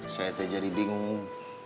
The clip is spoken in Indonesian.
saya teh jadi bingung